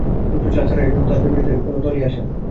দুটো চাল ছাড়া-এজন্য তাঁহাদের বাড়িতে এ দল কোনো বারই আসে না!